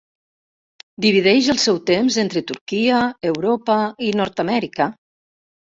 Divideix el seu temps entre Turquia, Europa i Nord-Amèrica.